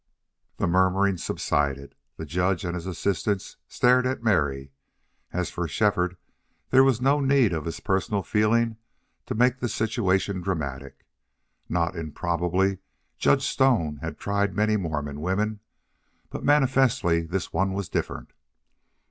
The murmuring subsided. The judge and his assistants stared at Mary. As for Shefford, there was no need of his personal feeling to make the situation dramatic. Not improbably Judge Stone had tried many Mormon women. But manifestly this one was different.